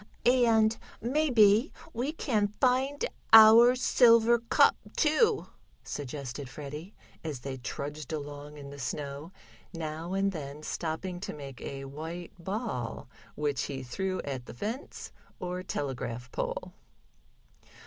"And maybe we can find our silver cup, too," suggested Freddie, as they trudged along in the snow, now and then stopping to make a white ball, which he threw at the fence or telegraph pole.